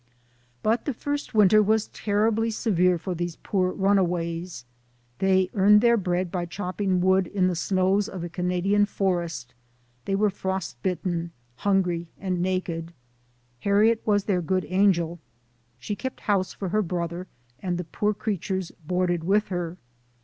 But the first winter was terribly severe for these poor runaways. They earned their bread by chopping wood in the snows of a Canadian forest ; they were frost bitten, hun gry, and naked. Harriet was their good angel. She kept house for her brother, and the poor creatures boarded with her.